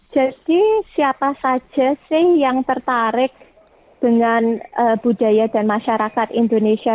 jadi siapa saja sih yang tertarik dengan budaya dan masyarakat indonesia